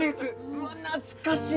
うわ懐かしい！